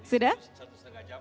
jadi apa yang sudah sudah dijawab